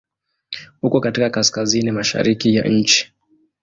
Uko katika Kaskazini mashariki ya nchi.